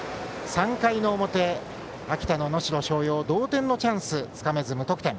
３回の表、秋田の能代松陽同点のチャンスつかめず無得点。